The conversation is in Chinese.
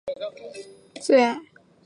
凋叶箭竹为禾本科箭竹属下的一个种。